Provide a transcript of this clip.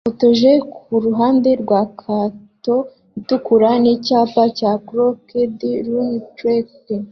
yifotoje kuruhande rwa kato itukura nicyapa cya Crooked Run Creek